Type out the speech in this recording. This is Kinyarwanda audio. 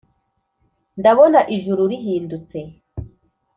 ndabona ijuru rihindutse